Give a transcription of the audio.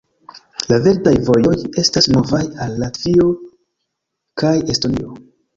La verdaj vojoj estas novaj al Latvio kaj Estonio.